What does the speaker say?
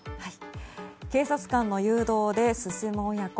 警察官の誘導で進む親子。